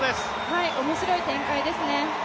面白い展開ですね。